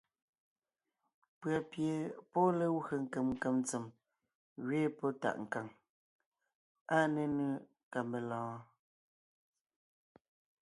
Pʉ̀a pie pɔ́ ée legwé nkem nkem tsem ngẅeen pɔ́ tàʼ nkàŋ. Áa nénʉ ka melɔ̀ɔn?